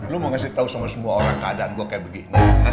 lo mau kasih tahu sama semua orang keadaan gue kayak begini